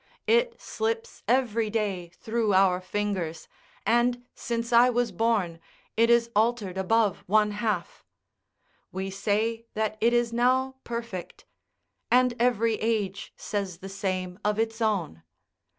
It slips every day through our fingers, and since I was born, it is altered above one half. We say that it is now perfect; and every age says the same of its own.